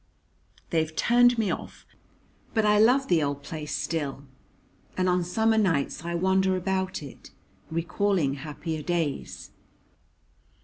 They've turned me off; but I love the old place still, and on summer nights I wander about it, recalling happier days."